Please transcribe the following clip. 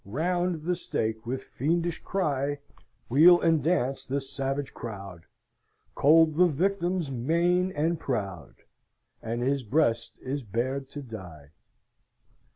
Round the stake with fiendish cry Wheel and dance the savage crowd, Cold the victim's mien and proud, And his breast is bared to die.